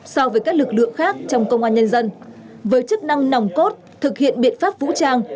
so với các lực lượng khác trong công an nhân dân với chức năng nòng cốt thực hiện biện pháp vũ trang